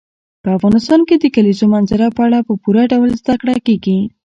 په افغانستان کې د کلیزو منظره په اړه په پوره ډول زده کړه کېږي.